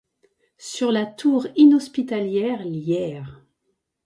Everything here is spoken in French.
Sur la tour inhospitalière Lierre